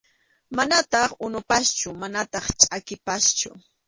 Manataq unupaschu manataq chʼakipaschu.